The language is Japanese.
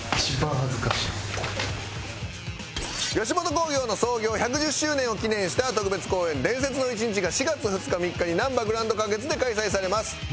吉本興業の創業１１０周年を記念した特別公演『伝説の一日』が４月２日３日になんばグランド花月で開催されます。